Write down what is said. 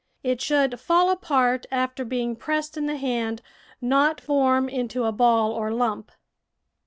It should fall apart after being pressed in the hand, not form into a ball or lump.